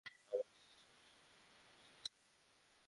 আমার স্ত্রীর চায়ের অভ্যাস আছে।